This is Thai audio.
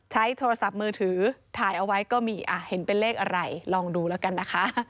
ใช้โทรศัพท์มือถือถ่ายเอาไว้ก็มีเห็นเป็นเลขอะไรลองดูแล้วกันนะคะ